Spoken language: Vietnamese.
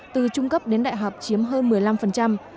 từ trung cấp đến đại học chiếm hơn một mươi năm